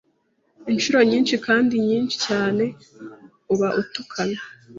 Inshuro nyinshi, kandi nyinshi cyane uba utukana.